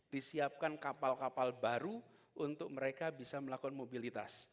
disiapkan kapal kapal baru untuk mereka bisa melakukan mobilitas